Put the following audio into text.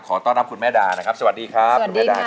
ขอต้อนรับคุณแม่ด้านะครับสวัสดีครับ